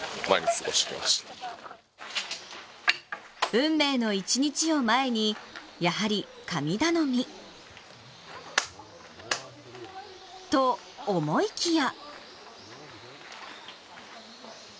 「運命の１日」を前にやはり神頼み。と思いきや。